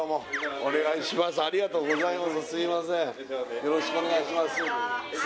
よろしくお願いします